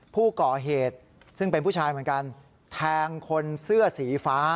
ผู้ก่อเหตุซึ่งเป็นผู้ชายเหมือนกันแทงคนเสื้อสีฟ้า